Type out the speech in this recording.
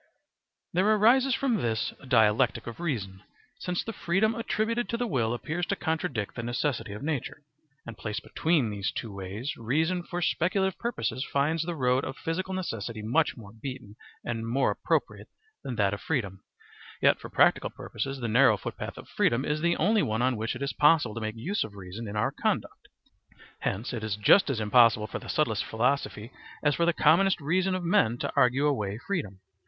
There arises from this a dialectic of reason, since the freedom attributed to the will appears to contradict the necessity of nature, and placed between these two ways reason for speculative purposes finds the road of physical necessity much more beaten and more appropriate than that of freedom; yet for practical purposes the narrow footpath of freedom is the only one on which it is possible to make use of reason in our conduct; hence it is just as impossible for the subtlest philosophy as for the commonest reason of men to argue away freedom.